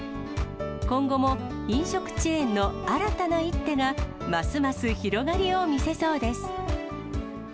今後も飲食チェーンの新たな一手が、ますます広がりを見せそうです。